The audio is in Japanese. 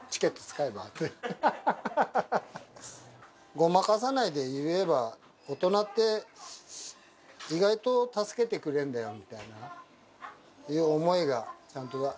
ごまかさないで言えば、大人って意外と助けてくれんだよみたいな。